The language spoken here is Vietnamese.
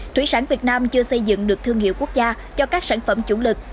thủy sản việt nam chưa xây dựng được thương hiệu quốc gia cho các sản phẩm chủ lực